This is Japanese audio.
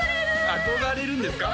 憧れるんですか？